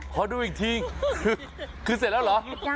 คือเสร็จแล้วหรอ